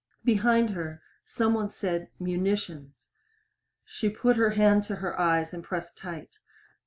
Behind her some one said "munitions." She put her hand to her eyes and pressed tight.